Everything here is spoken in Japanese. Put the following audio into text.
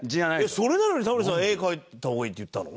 それなのにタモリさん「絵描いた方がいい」って言ったの？